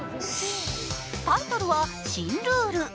タイトルは「新ルール」。